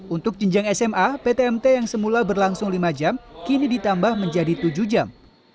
untuk jenjang sma ptmt yang semula berlangsung lima jam kini ditambah menjadi tujuh jam